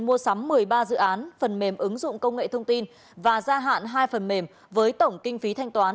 mua sắm một mươi ba dự án phần mềm ứng dụng công nghệ thông tin và gia hạn hai phần mềm với tổng kinh phí thanh toán